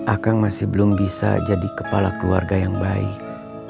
akang masih belum bisa jadi kepala keluarga yang baik